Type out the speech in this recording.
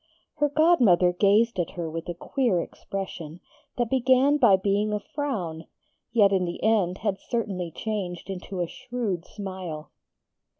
Her godmother gazed at her with a queer expression, that began by being a frown, yet in the end had certainly changed into a shrewd smile.